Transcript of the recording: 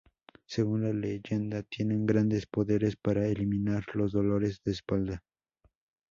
Según la leyenda tienen grandes poderes para eliminar los dolores de espalda.